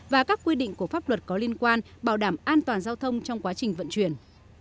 và các quy định của pháp luật có liên quan bảo đảm an toàn giao thông trong quá trình vận chuyển